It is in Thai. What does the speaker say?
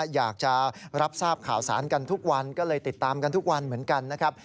อยากจะรับทราบข่าวสารกันทุกวันก็เลยติดตามกันทุกวันเหมือนกันนะครับ